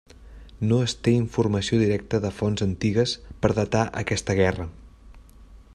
No es té informació directa de fonts antigues per datar aquesta guerra.